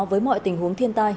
với mọi tình huống thiên tai